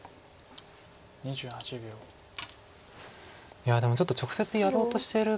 いやでもちょっと直接やろうとしてる感じです。